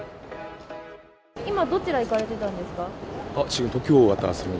今、どちら行かれてたんですか。